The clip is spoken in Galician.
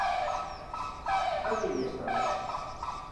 A que día estamos?